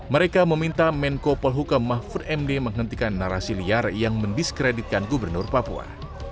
mereka meminta menko polhuka mahfud md menghentikan narasi liar yang mendiskreditkan gubernur papua